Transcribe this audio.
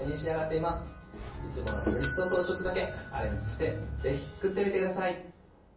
いつものフレンチトーストをちょっとだけアレンジしてぜひ作ってみてください。